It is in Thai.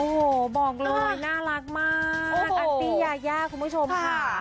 โอ้โหบอกเลยน่ารักมากอันซี่ยายาคุณผู้ชมค่ะ